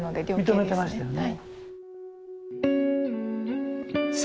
認めてましたよね。